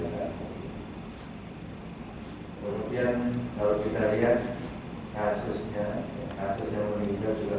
kemudian kalau kita lihat kasusnya kasus yang meninggal juga